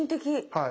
はい。